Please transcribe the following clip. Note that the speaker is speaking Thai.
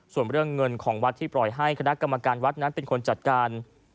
ส่วนเรื่องเงินของวัดที่ปล่อยให้คณะกรรมการวัดนั้นเป็นคนจัดการ